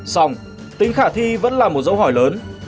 xong tính khả thi vẫn là một dấu hỏi lớn